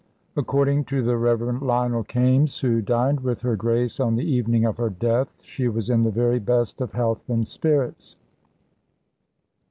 According to the Rev. Lionel Kaimes, who dined with her Grace on the evening of her death, she was in the very best of health and spirits.